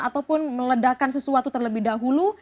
ataupun meledakan sesuatu terlebih dahulu